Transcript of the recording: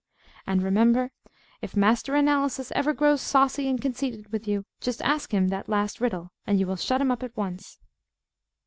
And remember, if Master Analysis ever grows saucy and conceited with you, just ask him that last riddle, and you will shut him up at once.